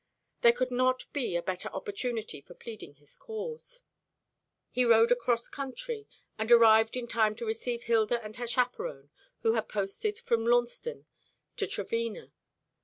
There could not be a better opportunity for pleading his cause. He rode across country, and arrived in time to receive Hilda and her chaperon, who had posted from Launceston to Trevena.